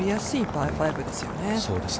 パー５ですよね。